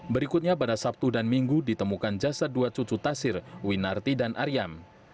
berikutnya pada sabtu dan minggu ditemukan jasad dua cucu tasir winarti dan aryam